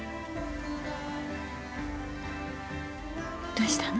どうしたの？